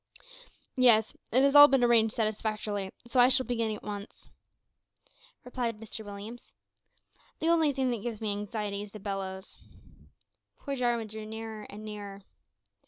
"Yes, it has been all arranged satisfactorily, so I shall begin at once," replied Mr Williams. "The only thing that gives me anxiety is the bellows." Poor Jarwin drew nearer and nearer.